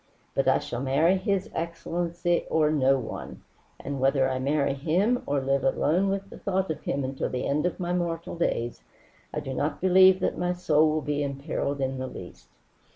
But I shall marry his excellency or no one, and whether I marry him or live alone with the thought of him until the end of my mortal days, I do not believe that my soul will be imperilled in the least."